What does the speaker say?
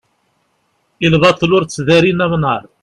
i lbaṭel ur tteddarin amnaṛ